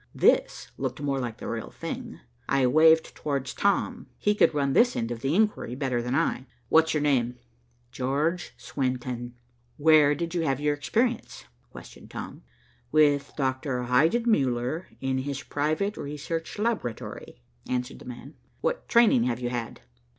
This looked more like the real thing. I waved towards Tom. He could run this end of the inquiry better than I. "What's your name?" "George Swenton." "Where did you have your experience?" questioned Tom. "With Doctor Heidenmuller, in his private research laboratory," answered the man. "What training have you had?"